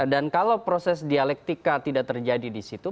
dan kalau proses dialektika tidak terjadi di situ